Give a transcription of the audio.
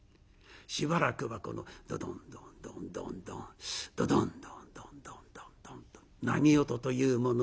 しばらくはこのドドンドンドンドンドンドドンドンドンドンドンドンドンと波音というものを聞かせる。